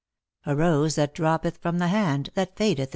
A rose that droppeth from the hand, that fadetb.